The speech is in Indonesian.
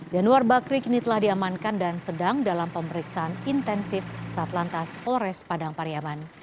januar bakri kini telah diamankan dan sedang dalam pemeriksaan intensif satlantas pores padang pariyaman